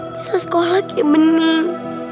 bisa sekolah kayak bening